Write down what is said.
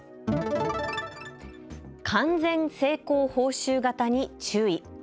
完全成功報酬型に注意。